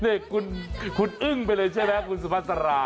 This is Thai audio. นี่คุณอึ้งไปเลยใช่ไหมคุณสุภาษารา